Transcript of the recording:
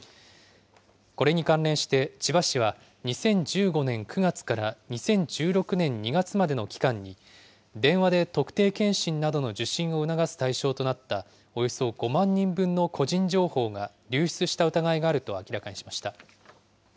これに関連して、千葉市は、２０１５年９月から２０１６年２月までの期間に、電話で特定健診などの受診を促す対象となった、およそ５万人分の個人情報が流出した疑いがあると明らかにしました。